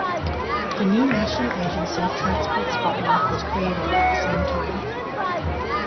The new national agency Transport Scotland was created at the same time.